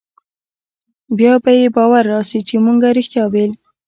بيا به يې باور رايشي چې مونګه رښتيا ويل.